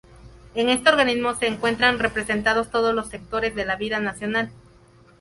En este organismo se encuentran representados todos los sectores de la vida nacional.